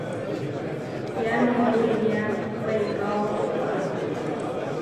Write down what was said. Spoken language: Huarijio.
Kitia noʼó yeʼyéa weikáo waʼá.